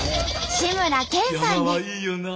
志村けんさんです。